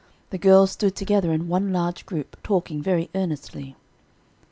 The girls stood together in one large group, talking very earnestly.